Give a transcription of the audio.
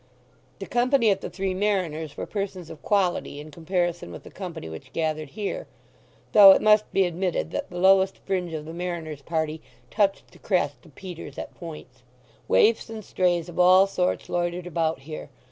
The company at the Three Mariners were persons of quality in comparison with the company which gathered here; though it must be admitted that the lowest fringe of the Mariner's party touched the crest of Peter's at points. Waifs and strays of all sorts loitered about here.